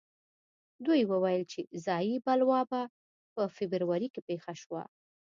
دوی وویل چې ځايي بلوا په فبروري کې پېښه شوه.